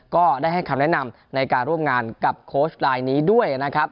ก็ได้ให้คำแนะนำในการร่วมงานกับโค้ชลายนี้ด้วยนะครับ